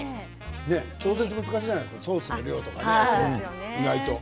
調節が難しいじゃないですかソースって意外と。